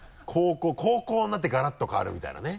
高校になってガラッと変わるみたいなね。